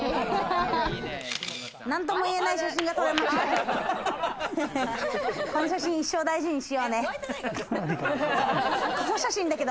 何とも言えない写真が撮れました。